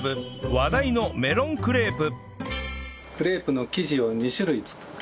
話題のメロンクレープ